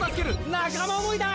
仲間想いだ！